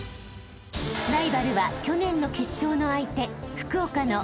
［ライバルは去年の決勝の相手］